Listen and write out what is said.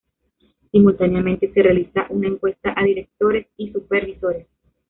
Simultáneamente, se realizará una encuesta a directores y supervisores.